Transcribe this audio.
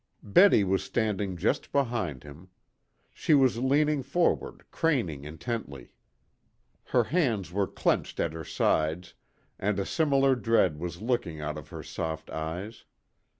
Betty was standing just behind him. She was leaning forward craning intently. Her hands were clenched at her sides, and a similar dread was looking out of her soft eyes.